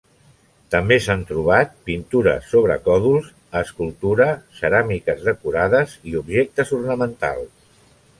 També s'han trobat pintures sobre còdols, escultura, ceràmiques decorades i objectes ornamentals.